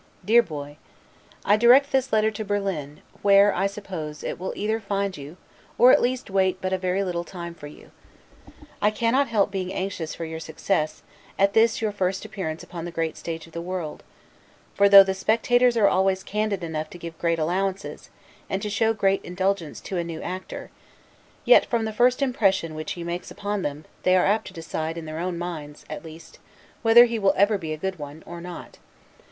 DEAR BOY: I direct this letter to Berlin, where, I suppose, it will either find you, or at least wait but a very little time for you. I cannot help being anxious for your success, at this your first appearance upon the great stage of the world; for, though the spectators are always candid enough to give great allowances, and to show great indulgence to a new actor; yet, from the first impressions which he makes upon them, they are apt to decide, in their own minds, at least, whether he will ever be a good one, or not.